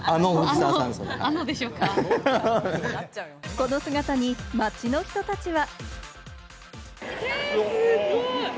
この姿に街の人たちは。